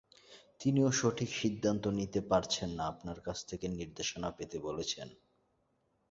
তিনিও সঠিক সিদ্ধান্ত নিতে পারছেন না, আপনার কাছ থেকে নির্দেশনা পেতে বলেছেন।